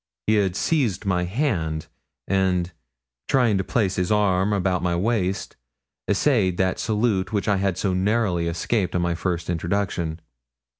He had seized my hand, and trying to place his arm about my waist, essayed that salute which I had so narrowly escaped on my first introduction.